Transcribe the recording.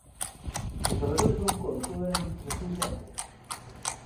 Nos arredores do encoro todo eran luces azuis e amarelas.